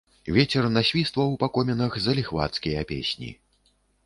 Вецер насвістваў па комінах заліхвацкія песні.